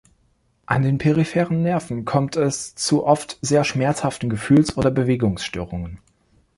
An den peripheren Nerven kommt es zu oft sehr schmerzhaften Gefühls- oder Bewegungsstörungen.